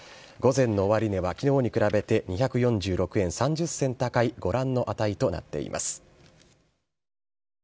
午前の終値はきのうに比べて２４６円３０銭高い、ご覧の値となっています。